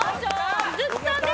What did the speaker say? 鈴木さんです。